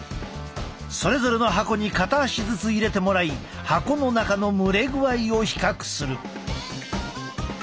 それぞれの箱に片足ずつ入れてもらい箱の中の蒸れ具合を比較する。